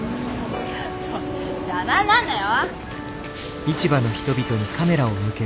ちょっ邪魔になんなよ！